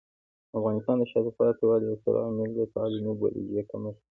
د افغانستان د شاته پاتې والي یو ستر عامل د تعلیمي بودیجې کمښت دی.